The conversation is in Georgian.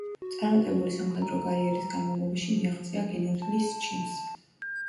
წარმატებული სამხედრო კარიერის განმავლობაში მიაღწია გენერლის ჩინს.